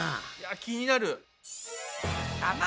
気になる！